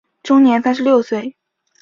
终年三十六岁。